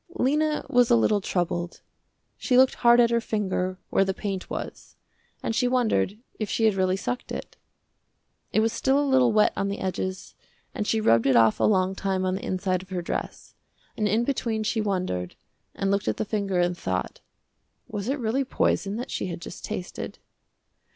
Lena was a little troubled. She looked hard at her finger where the paint was, and she wondered if she had really sucked it. It was still a little wet on the edges and she rubbed it off a long time on the inside of her dress, and in between she wondered and looked at the finger and thought, was it really poison that she had just tasted.